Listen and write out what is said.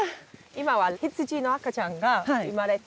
今は羊の赤ちゃんが生まれてる。